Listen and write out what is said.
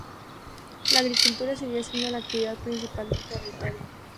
La agricultura seguía siendo la actividad principal del territorio.